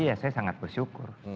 ya saya sangat bersyukur